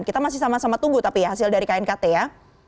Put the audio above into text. kita masih sama sama tunggu tapi ya hasil dari knkt ya